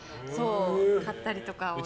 買ったりとかして。